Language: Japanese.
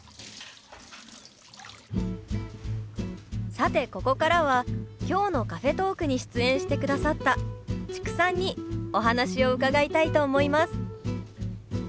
さてここからは今日のカフェトークに出演してくださった知久さんにお話を伺いたいと思います。